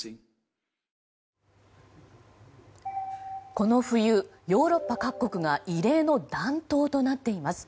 この冬、ヨーロッパ各国が異例の暖冬となっています。